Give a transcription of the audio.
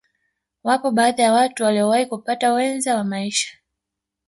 Wapo baadhi ya watu waliyowahi kupata wenza wa maisha